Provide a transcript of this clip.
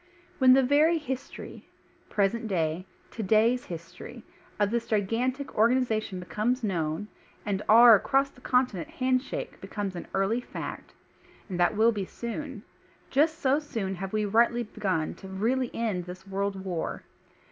When tlie ver}^^ history — present day, today's — history of this gigantic organization becomes known, and our across the continent hand shake becomes an early fact — and that will be soon — ^just so soon have we rightly begun to really end this world WAR.